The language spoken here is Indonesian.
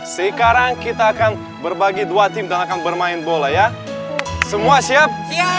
sekarang kita akan berbagi dua tim dan akan bermain bola ya semua siap